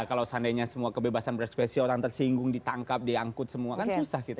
kalau seandainya semua kebebasan berekspresi orang tersinggung ditangkap diangkut semua kan susah kita